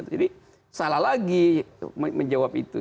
jadi salah lagi menjawab itu